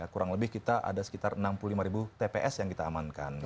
kurang lebih kita ada sekitar enam puluh lima ribu tps yang kita amankan